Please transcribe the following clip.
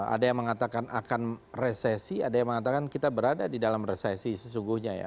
ada yang mengatakan akan resesi ada yang mengatakan kita berada di dalam resesi sesungguhnya ya